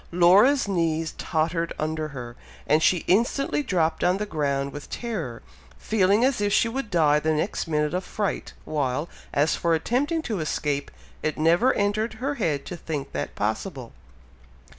Laura's knees tottered under her, and she instantly dropped on the ground with terror, feeling as if she would die the next minute of fright, while, as for attempting to escape, it never entered her head to think that possible.